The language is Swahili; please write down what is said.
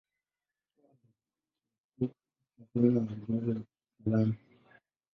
Pia kilikuwa kama hazina ya ujuzi wa kitaalamu.